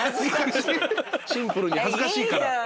シンプルに恥ずかしいから。